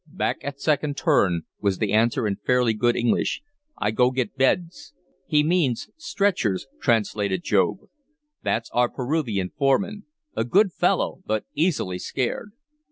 "Back at second turn," was the answer, in fairly good English. "I go get beds." "He means stretchers," translated Job. "That's our Peruvian foreman. A good fellow, but easily scared."